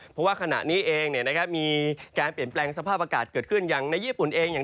เพราะว่าขณะนี้เองมีการเปลี่ยนแปลงสภาพอากาศเกิดขึ้นอย่างในญี่ปุ่นเองอย่าง